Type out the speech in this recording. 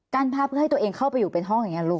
ภาพเพื่อให้ตัวเองเข้าไปอยู่เป็นห้องอย่างนี้ลูก